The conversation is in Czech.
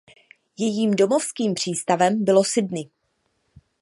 Jejím domovským přístavem bylo Sydney.